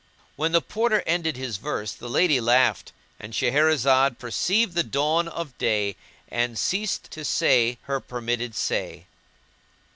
When the Porter ended his verse the lady laughed. And Shahrazad perceived the dawn of day and ceased to say her permitted say.